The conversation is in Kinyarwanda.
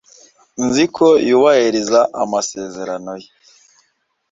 Nzi ko yubahiriza amasezerano ye.